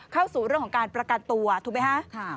เข้าสู่เรื่องของการประกันตัวถูกไหมคะ